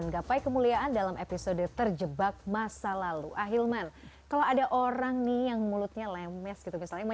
gapai kemuliaan akan kembali setelah yang satu ini